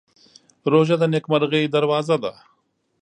روژه د نېکمرغۍ دروازه ده.